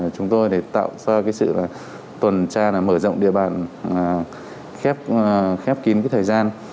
chúng tôi để tạo ra sự tuần tra mở rộng địa bàn khép kín thời gian